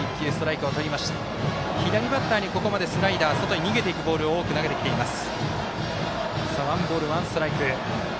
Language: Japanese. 左バッターにここまでスライダー外に逃げていくボールを多く投げています。